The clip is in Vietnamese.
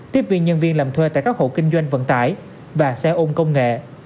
tiếp viên nhân viên làm thuê tại các hộ kinh doanh vận tải và xe ôn công nghệ